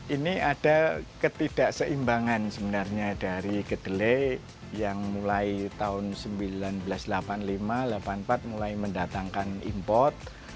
ini ada ketidakseimbangan sebenarnya dari kedelai yang mulai tahun seribu sembilan ratus delapan puluh lima delapan puluh empat mulai mendatangkan import